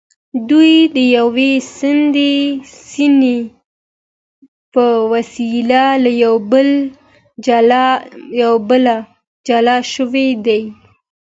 دوی د یو سیند په واسطه له یو بله جلا شوي دي.